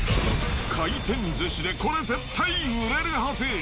回転寿司でこれ絶対売れるはず。